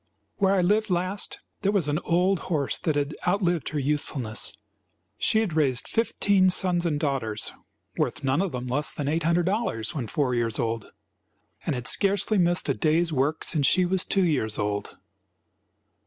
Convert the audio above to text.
"Where I lived last there was an old horse that had outlived her usefulness. She had raised fifteen sons and daughters, worth none of them less than $800 when four years old, and had scarcely missed a day's work since she was two years old.